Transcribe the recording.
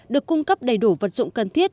được cung cấp đầy đủ vật dụng cần thiết